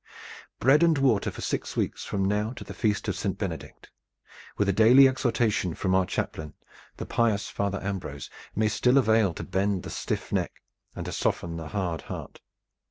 Bread and water for six weeks from now to the Feast of Saint Benedict, with a daily exhortation from our chaplain, the pious Father Ambrose, may still avail to bend the stiff neck and to soften the hard heart."